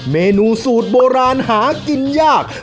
เมนูสูตรโบราณหากินยาก